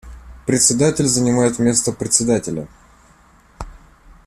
Председатель занимает место Председателя.